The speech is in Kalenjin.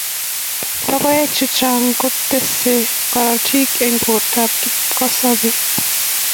Logoek chechang kotesei korotik eng bortab kipkosobei